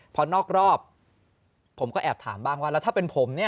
พอนอกรอบผมก็แอบถามบ้างว่าแล้วถ้าเป็นผมเนี่ย